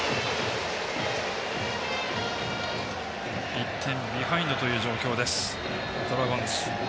１点ビハインドという状況です、ドラゴンズ。